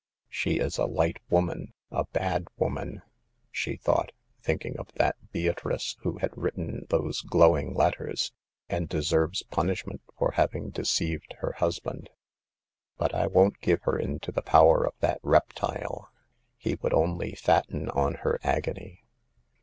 She is a light woman— a bad woman," she thought, thinking of that Beatrice who had writ ten those glowing letters — '*and deserves punish ment for having deceived her husband. But I won't give her into the power of that reptile ; he would only fatten on her agony.